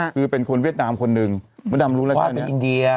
คือเป็นคนเวียดนามคนหนึ่งมดดำรู้แล้วว่าเป็นอินเดีย